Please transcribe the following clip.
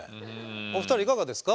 お二人いかがですか？